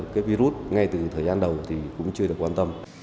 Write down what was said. cái virus ngay từ thời gian đầu thì cũng chưa được quan tâm